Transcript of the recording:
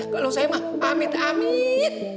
kalau saya mah amit amit